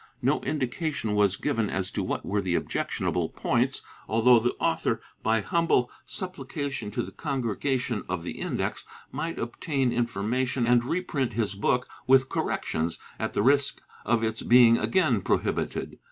No indication was given as to what were the objectionable points, although the author, by humble suppHcation to the Congregation of the Index, might obtain infor mation and reprint his book with corrections, at the risk of its being again prohibited.